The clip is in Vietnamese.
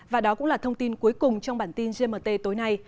và đó cũng là thông tin cuối cùng trong bản tin gmt tối nay